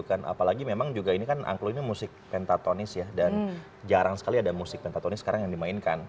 apalagi memang juga ini kan angklungnya musik pentatonis ya dan jarang sekali ada musik pentatonis sekarang yang dimainkan